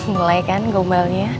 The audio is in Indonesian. mulai kan gombalnya